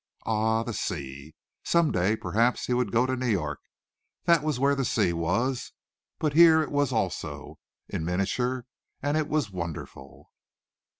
Ah, the sea! Some day, perhaps he would go to New York. That was where the sea was. But here it was also, in miniature, and it was wonderful.